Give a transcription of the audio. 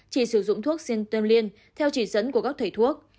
chỉ sử dụng thuốc xuyên tâm liên theo chỉ dẫn của các thầy thuốc